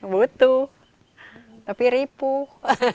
butuh tapi ripuh